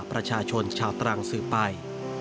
ประชาชนชาวตรังสืบไป